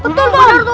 betul pak betul